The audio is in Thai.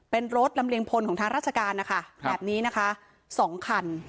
เป็นรถลำเลียงพลของทางราชการนะคะแบบนี้นะคะ๒คัน